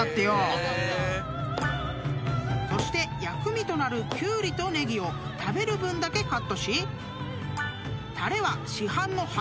［そして薬味となるキュウリとネギを食べる分だけカットし］